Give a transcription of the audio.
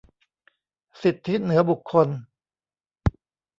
สิทธิเหนือบุคคล